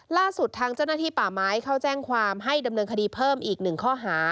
ล่าสุดทางเจ้าหน้าที่ป่าไม้เข้าแจ้งความให้ดำเนินคดีเพิ่มอีกหนึ่งข้อหา